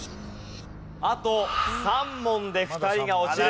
あと３問で２人が落ちる。